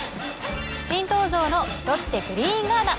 新登場のロッテグリーンガーナ。